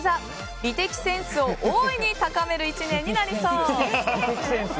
美的センスを大いに高める１年になりそう。